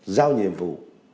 giao nhiệm vụ